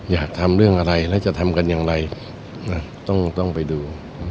อยากทำเรื่องอะไรแล้วจะทำกันอย่างไรนะต้องไปดู